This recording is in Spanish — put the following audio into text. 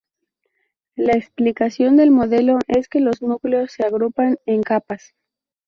La explicación del modelo es que los nucleones se agrupan en "capas".